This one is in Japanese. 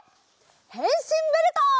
へんしんベルト！